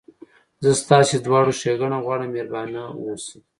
زه ستاسي دواړو ښېګڼه غواړم، مهربانه اوسئ.